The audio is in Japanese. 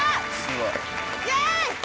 イエイ！